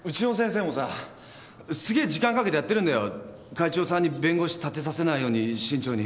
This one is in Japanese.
会長さんに弁護士立てさせないように慎重に。